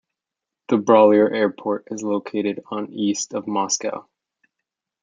The Brollier Airport is located on east of Moscow.